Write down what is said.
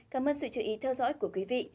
cảm ơn sự chú ý theo dõi của quý vị